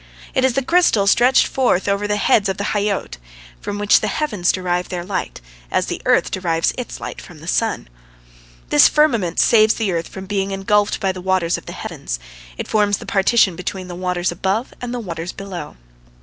It is the crystal stretched forth over the heads of the Hayyot, from which the heavens derive their light, as the earth derives its light from the sun. This firmament saves the earth from being engulfed by the waters of the heavens; it forms the partition between the waters above and the waters below.